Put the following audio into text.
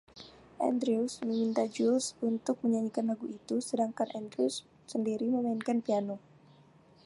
Andrews meminta Jules untuk menyanyikan lagu itu, sedangkan Andrews sendiri memainkan piano.